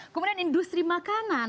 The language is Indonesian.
kemudian industri makanan